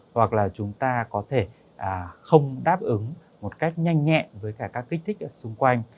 hoặc là chúng ta có thể không đáp ứng một cách nhanh nhẹn với cả các kích thích xung quanh